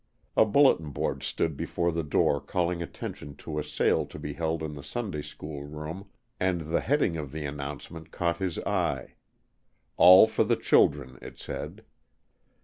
A bulletin board stood before the door calling attention to a sale to be held in the Sunday school room, and the heading of the announcement caught his eye. "All For The Children," it said.